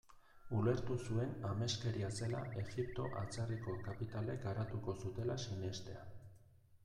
Ulertu zuen ameskeria zela Egipto atzerriko kapitalek garatuko zutela sinestea.